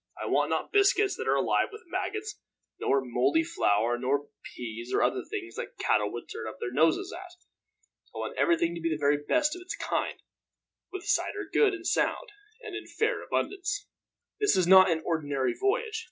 I want not biscuits that are alive with maggots, nor moldy flour, nor peas or other things that cattle would turn up their noses at. I want everything to be the very best of its kind, with cider good, and sound, and in fair abundance. "This is not an ordinary voyage.